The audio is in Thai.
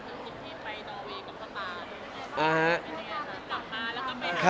ครับครับ